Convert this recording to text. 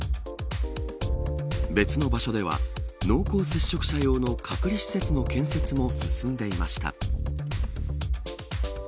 別の場所では濃厚接触者用の隔離施設の建設も進んでいました。